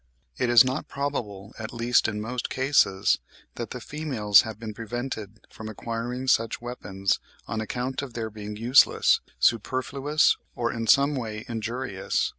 It is not probable, at least in most cases, that the females have been prevented from acquiring such weapons, on account of their being useless, superfluous, or in some way injurious.